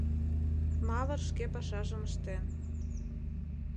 — Мавр шке пашажым ыштен...